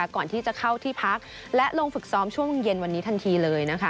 ก่อนที่จะเข้าที่พักและลงฝึกซ้อมช่วงเย็นวันนี้ทันทีเลยนะคะ